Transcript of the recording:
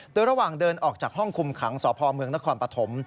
โดยระหว่างเดินออกจากห้องคุมขังสพเมืองนครปฐม